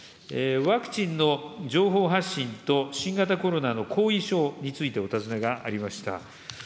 ワクチンの情報発信と新型コロナの後遺症についてお尋ねがありました。